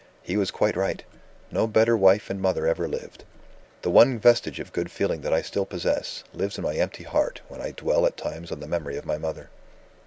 He was quite right: no better wife and mother ever lived. The one vestige of good feeling that I still possess, lives in my empty heart when I dwell at times on the memory of my mother.